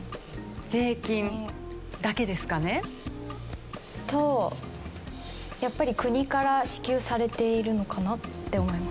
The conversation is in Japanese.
税金だけですかね？とやっぱり国から支給されているのかなって思います。